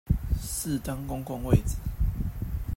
適當公共位置